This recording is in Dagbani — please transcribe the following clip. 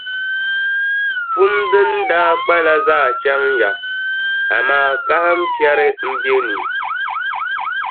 Pum din daa kpala zaa chaŋya, amaa kahimpiɛri m-be ni.